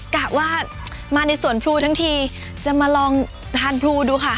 กะว่ามาในสวนพลูทั้งทีจะมาลองทานพลูดูค่ะ